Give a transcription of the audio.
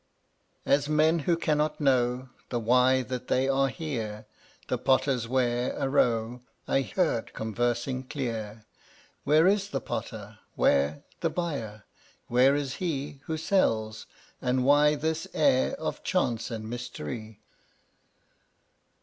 1 1 5 As men who cannot know The why that they are here, The Potter's ware, arow, I heard conversing clear: Where is the Potter? Where The buyer? Where is he Who sells? And why this air Of chance and mystery?